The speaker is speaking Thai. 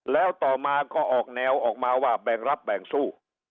แล้วต่อมาก็ออกแนวออกมาว่าแบ่งรับแบ่งสู้